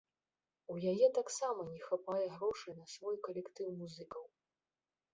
У яе таксама не хапае грошай на свой калектыў музыкаў.